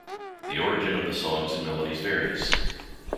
The origin of the songs and melodies varies.